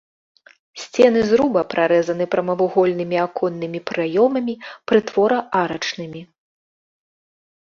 Сцены зруба прарэзаны прамавугольнымі аконнымі праёмамі, прытвора-арачнымі.